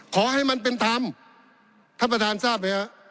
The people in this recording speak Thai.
ขอให้มันเป็นธรรมท่านประธานทราบไหมฮะ